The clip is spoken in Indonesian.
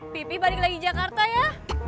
pipi balik lagi jakarta ya